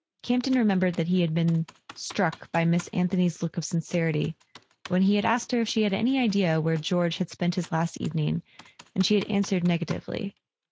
Campton remembered that he had been struck by Miss Anthony's look of sincerity when he had asked her if she had any idea where George had spent his last evening, and she had answered nega¬ tively.